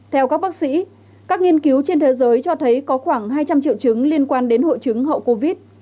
theo các bác sĩ các nghiên cứu trên thế giới cho thấy có khoảng hai trăm linh triệu chứng liên quan đến hội chứng hậu covid